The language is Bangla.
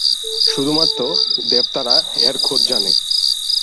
শুধুমাত্র দেবতারা এর খোঁজ জানে।